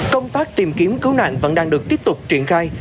công tác tìm kiếm cứu nạn vẫn đang được tiếp tục triển khai